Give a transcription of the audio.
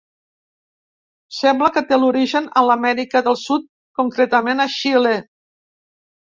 Sembla que té l'origen a l'Amèrica del Sud, concretament a Xile.